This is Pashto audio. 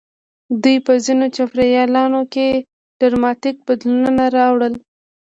دوی په ځینو چاپېریالونو کې ډراماتیک بدلونونه راوړل.